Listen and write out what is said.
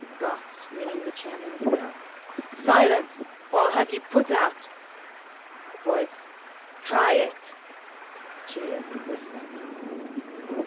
Gotz, ringing the chairman's bell: "Silence, or I'll have you put out!" Voice: "Try it!" (Cheers and whistling.)